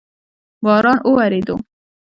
باران اوورېدو؟